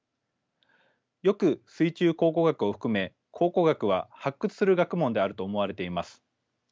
よく水中考古学を含め考古学は発掘する学問であると思われています。